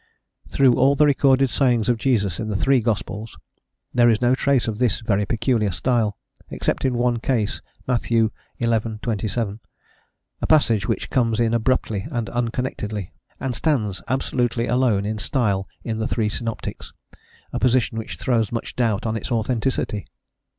Through all the recorded sayings of Jesus in the three gospels, there is no trace of this very peculiar style, except in one case (Matt. xi. 27), a passage which comes in abruptly and unconnectedly, and stands absolutely alone in style in the three synoptics, a position which throws much doubt on its authenticity.